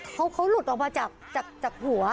เขาหลุดออกมาจากหัว